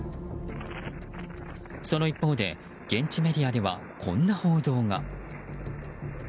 その一方で現地メディアではこんな報道が。